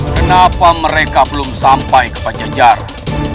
kenapa mereka belum sampai ke panjang jarak